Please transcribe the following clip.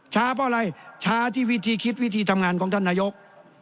เพราะอะไรช้าที่วิธีคิดวิธีทำงานของท่านนายก